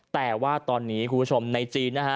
แต่ว่าตอนนี้คุณผู้ชมในจีนนะฮะ